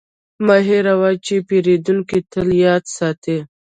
مه هېروه چې پیرودونکی تل یاد ساتي.